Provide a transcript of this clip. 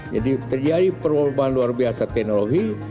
jadi terjadi perubahan luar biasa teknologi